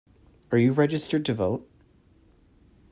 Are you registered to vote?